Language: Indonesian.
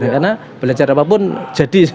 karena belajar apapun jadi